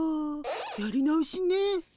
やり直しね。